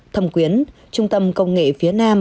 thầm quyến trung tâm công nghệ phía nam